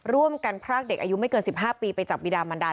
ร่วมกันพรากเด็กอายุไม่เกิน๑๕ปีไปจับบิดามันดา